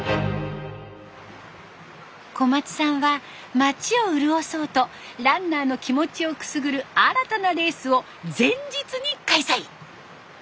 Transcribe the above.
小松さんは町を潤そうとランナーの気持ちをくすぐる新たなレースを前日に開催！